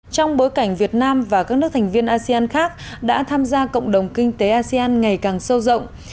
trong bối cảnh việt nam và các nước thành viên asean khác đã tham gia cộng đồng kinh tế asean ngày càng sâu rộng